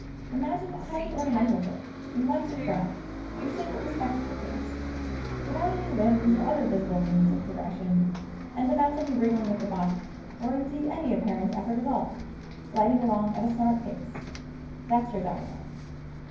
Imagine a highly ornamental thing in white and brown, the shape of a spectacle case, without any limbs or other visible means of progression, and without any wriggling of the body, or indeed any apparent effort at all, gliding along at a smart pace. That's your diatom.